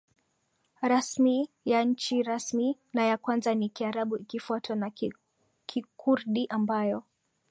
rasmi ya nchi rasmi na ya kwanza ni Kiarabu ikifuatwa na Kikurdi ambayo